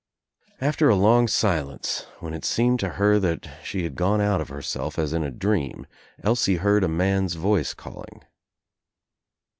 After a long silence, when it seemed to her that she had gone out of herself as In a dream, Elsie heard a man's voice calling.